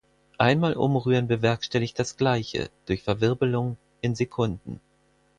Einmal Umrühren bewerkstelligt das gleiche durch Verwirbelung in Sekunden.